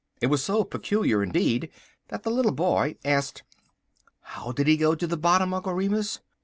It was so peculiar, indeed, that the little boy asked: "How did he go to the bottom, Uncle Remus?"